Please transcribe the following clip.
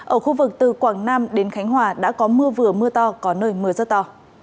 ở khu vực từ quảng nam đến khánh hòa đã có mưa vừa mưa to có nơi mưa rất to